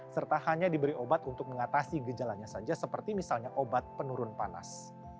serta hanya diberi obat untuk mengatasi gejalanya saja seperti misalnya obat penurun panas